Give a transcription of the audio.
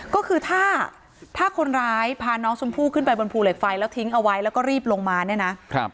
ก็คือถ้าถ้าคนร้ายพาน้องชมพู่ขึ้นไปบนภูเหล็กไฟแล้วทิ้งเอาไว้แล้วก็รีบลงมาเนี่ยนะครับ